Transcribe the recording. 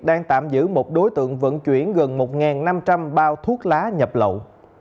đang tạm giữ một đối tượng vận chuyển gần một năm trăm linh bao thuốc lá nhập lậu